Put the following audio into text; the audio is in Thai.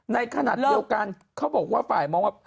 ในขณะเดียวกันเขาบอกว่าฝ่ายมองว่า